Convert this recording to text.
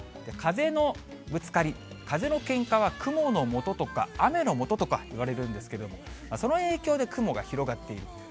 風のぶつかり、風のけんかは雲のもととか、雨のもととかいわれるんですけれども、その影響で雲が広がってる。